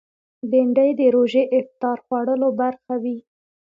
بېنډۍ د روژې افطار خوړلو برخه وي